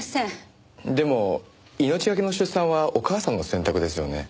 でも命がけの出産はお母さんの選択ですよね？